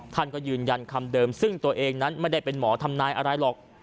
ท่านก็ยืนยันคำเดิมซึ่งตัวเองนั้นไม่ได้เป็นหมอทำนายอะไรหรอก